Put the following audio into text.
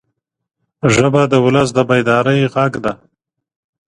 ژبه د ولس د بیدارۍ غږ ده